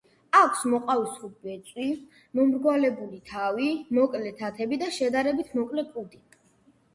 აქვს მოყავისფრო ბეწვი, მომრგვალებული თავი, მოკლე თათები და შედარებით მოკლე კუდი.